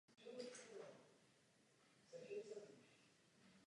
Při vstupu Oregonu do Unie se hlavním městem stal opět Salem.